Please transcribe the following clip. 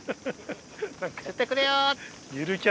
釣ってくれよ！